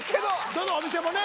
どのお店もね。